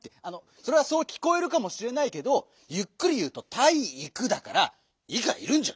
それはそうきこえるかもしれないけどゆっくりいうと「たいいく」だから「い」がいるんじゃ！